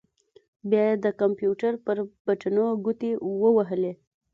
بيا يې د کمپيوټر پر بټنو ګوتې ووهلې.